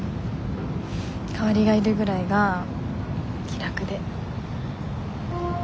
代わりがいるぐらいが気楽で。